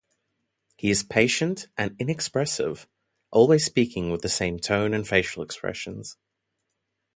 He is patient and inexpressive, always speaking with the same tone and facial expressions.